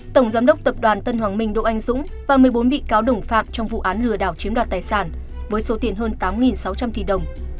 tổng giám đốc tập đoàn tân hoàng minh đỗ anh dũng và một mươi bốn bị cáo đồng phạm trong vụ án lừa đảo chiếm đoạt tài sản với số tiền hơn tám sáu trăm linh tỷ đồng